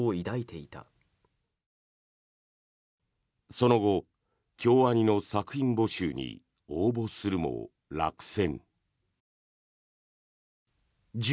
その後、京アニの作品募集に応募するも、落選。